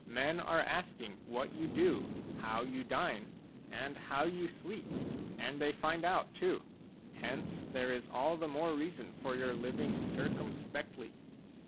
Men are asking what you do, how you dine, and how you sleep, and they find out, too ; hence there is all the more reason for your living circumspectly.